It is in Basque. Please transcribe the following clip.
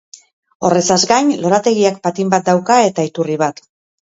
Horrezaz gain, lorategiak patin bat dauka, eta iturri bat.